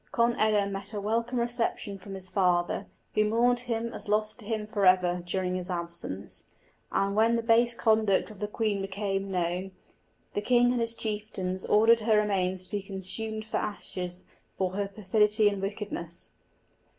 Conn eda met a welcome reception from his father, who mourned him as lost to him for ever, during his absence; and, when the base conduct of the queen became known, the king and his chieftains ordered her remains to be consumed to ashes for her perfidy and wickedness.